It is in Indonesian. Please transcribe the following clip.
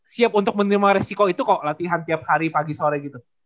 siap untuk menerima resiko itu kok latihan tiap hari pagi sore gitu